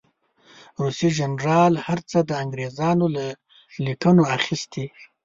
روسي جنرال هر څه د انګرېزانو له لیکنو اخیستي.